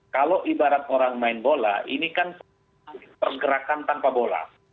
kalau ibarat orang main bola ini kan pergerakan tanpa bola